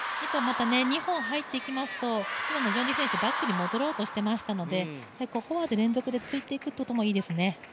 ２本入っていきますと、チョン・ジヒ選手、バックに戻ろうとしてましたのでフォアで連続で突いていくこともいいですね。